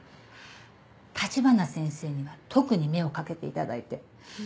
橘先生には特に目をかけていただいて。